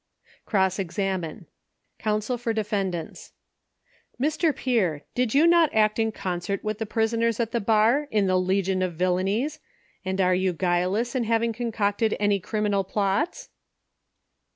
Cross examine. C. for D's. — Mr. Pier, did you not act in concert Avith the prisoners at the bar in the "legion of villanies," and are you guileless in having concocted any criminal i)lots V A.